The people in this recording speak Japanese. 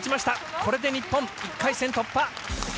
これで日本、１回戦突破。